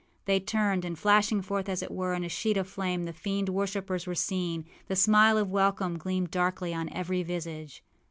â They turned; and flashing forth, as it were, in a sheet of flame, the fiend worshippers were seen; the smile of welcome gleamed darkly on every visage.